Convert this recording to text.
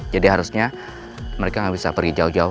jadi harusnya mereka gak bisa pergi jauh jauh